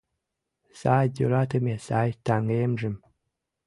Сай йӧратыме, сай таҥемжым